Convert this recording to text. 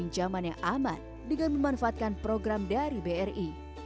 dan memanfaatkan layanan peminjaman yang aman dengan memanfaatkan program dari bri